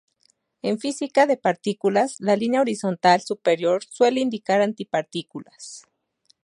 En física de partículas, la línea horizontal superior suele indicar antipartículas.